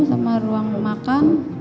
sama ruang makan